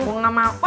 gue gak mau